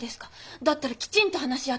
だったらきちんと話し合って。